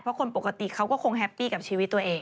เพราะคนปกติเขาก็คงแฮปปี้กับชีวิตตัวเอง